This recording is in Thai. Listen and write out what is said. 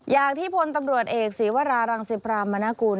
อย่างที่พลตำรวจเอกศีวรารังสิพรามนากุล